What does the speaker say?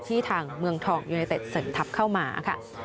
ทางเมืองทองยูเนเต็ดเสริมทัพเข้ามาค่ะ